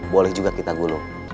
boleh juga kita gulung